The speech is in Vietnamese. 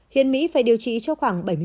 hiện mỹ phải điều trị cho khoảng bảy mươi một ca